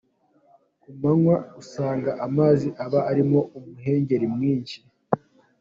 Ku manywa usanga amazi aba arimo umuhengeri mwinshi.